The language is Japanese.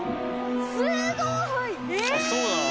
すごい！え！